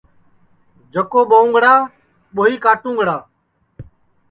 جکو ٻوؤنگڑا ٻُوئی کاٹُونگڑا